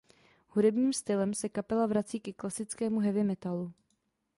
Hudebním stylem se kapela vrací ke klasickému heavy metalu.